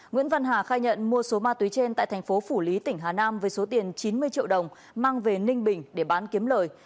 nguyễn văn hà khai nhận mua số ma túy trên tại thành phố phủ lý tỉnh hà nam với số tiền chín mươi triệu đồng mang về ninh bình để bán kiếm lời